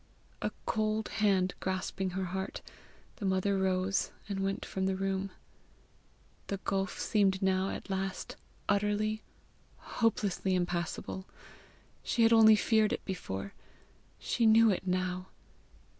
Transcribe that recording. A cold hand grasping her heart, the mother rose, and went from the room. The gulf seemed now at last utterly, hopelessly impassable! She had only feared it before; she knew it now!